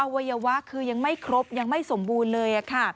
วัยวะคือยังไม่ครบยังไม่สมบูรณ์เลย